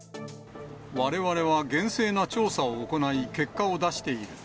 われわれは厳正な調査を行い、結果を出している。